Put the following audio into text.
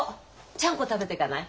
ちゃんこ食べてかない？